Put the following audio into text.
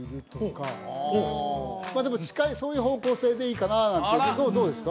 ああでも近いそういう方向性でいいかななんてどうですか？